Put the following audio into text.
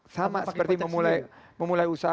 sama seperti memulai usaha